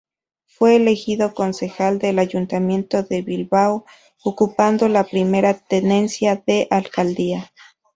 Fue elegido concejal del ayuntamiento de Bilbao, ocupando la primera tenencia de alcaldía.